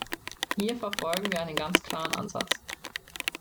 Hier verfolgen wir einen ganz klaren Ansatz.